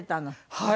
はい。